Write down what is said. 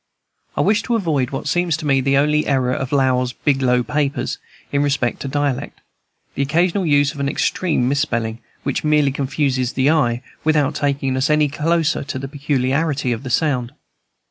I wished to avoid what seems to me the only error of Lowell's "Biglow Papers" in respect to dialect, the occasional use of an extreme misspelling, which merely confuses the eye, without taking us any closer to the peculiarity of sound.